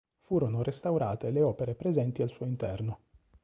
Furono restaurate le opere presenti al suo interno.